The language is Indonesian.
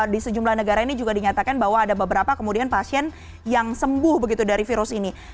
di sejumlah negara ini juga dinyatakan bahwa ada beberapa kemudian pasien yang sembuh begitu dari virus ini